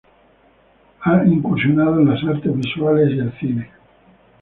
Ha incursionado en las artes visuales y el cine.